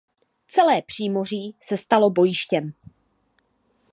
Celé "Přímoří" se stalo bojištěm.